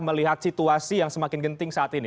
melihat situasi yang semakin genting saat ini